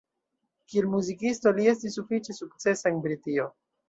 Kiel muzikisto li estis sufiĉe sukcesa en Britio.